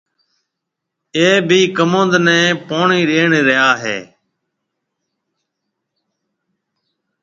اَي ڀِي ڪموُند نَي پوڻِي ڏيَ ريا هيَ۔